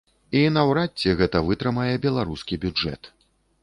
І наўрад ці гэта вытрымае беларускі бюджэт.